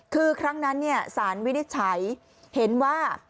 คือครั้งนั้นสารวินิจฉัยเห็นว่า